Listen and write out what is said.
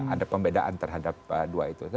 ada pembedaan terhadap dua itu